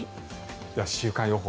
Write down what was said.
では、週間予報。